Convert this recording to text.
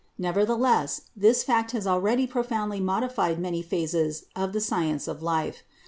Nevertheless this fact has already profoundly modified many phases of the science of life.